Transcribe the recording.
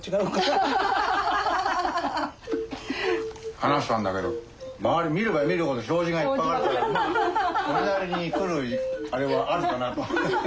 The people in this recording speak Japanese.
話したんだけど周り見れば見るほど障子がいっぱいあるからまあそれなりに来るあれはあるかなと。